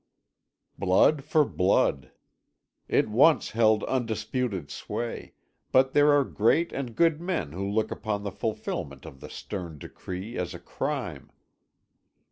Blood for blood! It once held undisputed sway, but there are great and good men who look upon the fulfilment of the stern decree as a crime.